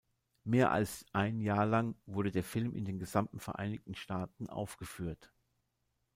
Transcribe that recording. Mehr als ein Jahr lang wurde der Film in den gesamten Vereinigten Staaten aufgeführt.